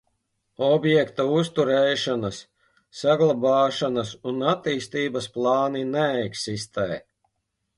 Objekta uzturēšanas, saglabāšanas un attīstības plāni neeksistē.